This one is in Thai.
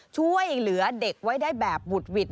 ช่วยเหลือเด็กไว้ได้แบบบุดหวิด